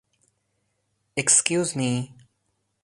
Excuse me.